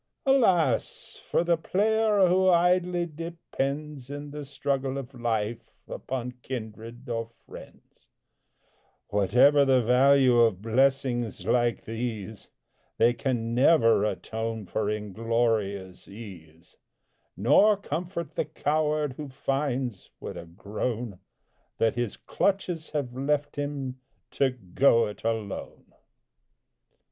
Alas! for the player who idly depends, In the struggle of life, upon kindred or friends; Whatever the value of blessings like these, They can never atone for inglorious ease, Nor comfort the coward who finds, with a groan, That his clutches have left him to "go it alone!"